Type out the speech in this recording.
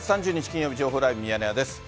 金曜日、情報ライブミヤネ屋です。